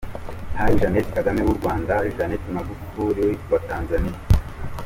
Hari Jeannette Kagame w’u Rwanda, Janet Magufuli wa Tanzaniya.